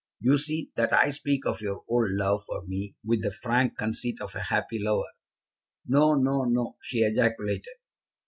You see that I speak of your old love for me with the frank conceit of a happy lover." "No; no, no!" she ejaculated.